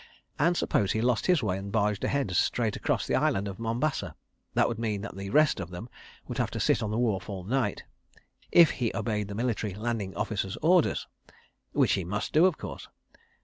And suppose he lost his way and barged ahead straight across the Island of Mombasa? That would mean that the rest of them would have to sit on the wharf all night—if he obeyed the Military Landing Officer's orders. ... Which he must do, of course.